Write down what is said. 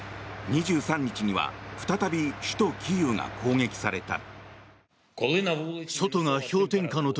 ２３日には再び首都キーウが攻撃された。